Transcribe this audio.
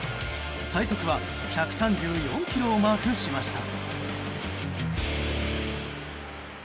最速は１３４キロをマークしました。